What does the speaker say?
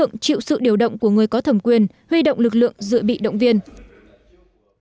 trong pháp lệnh lực lượng dự bị động viên quy định người có thẩm quyền huy động lực lượng dự bị động viên là chủ tịch ubnd